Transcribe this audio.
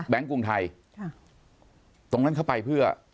กรุงไทยตรงนั้นเข้าไปเพื่อ